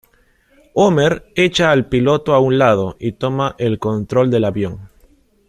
Homer echa al piloto a un lado y toma el control del avión.